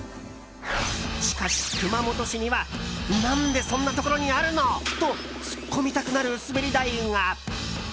しかし熊本市には何でそんなところにあるの？とツッコみたくなる滑り台が。